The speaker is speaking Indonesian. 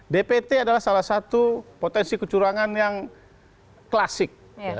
dpt adalah salah satu potensi kecurangan yang klasik